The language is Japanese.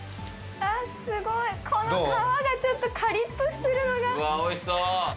すごい、この皮がちょっとカリッとしてるのが。